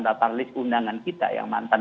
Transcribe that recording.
data list undangan kita yang mantan